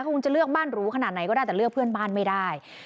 คงจะเลือกบ้านหรูขนาดไหนก็ได้แต่เลือกเพื่อนบ้านไม่ได้